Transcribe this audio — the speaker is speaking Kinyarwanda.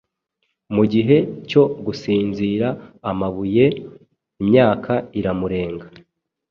Mugihe cyo gusinzira amabuye imyaka iramurenga!